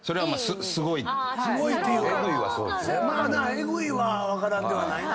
「エグい」は分からんではないな。